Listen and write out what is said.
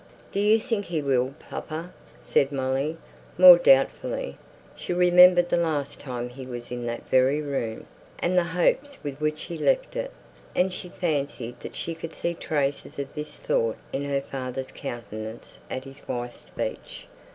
"Do you think he will, papa?" said Molly, more doubtfully. She remembered the last time he was in that very room, and the hopes with which he left it; and she fancied that she could see traces of this thought in her father's countenance at his wife's speech.